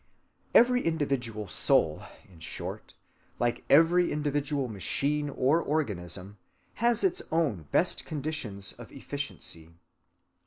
Every individual soul, in short, like every individual machine or organism, has its own best conditions of efficiency.